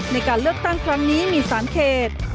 ในการเลือกตั้งครั้งนี้มี๓เขต